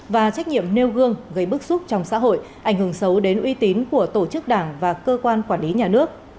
và trách nhiệm nêu gương gây bức xúc trong xã hội ảnh hưởng xấu đến uy tín của tổ chức đảng và cơ quan quản lý nhà nước